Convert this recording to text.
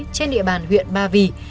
trên địa bàn huyện ba vì